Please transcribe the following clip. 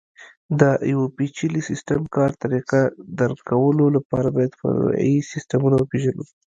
د یوه پېچلي سیسټم کار طریقه درک کولو لپاره باید فرعي سیسټمونه وپېژنو.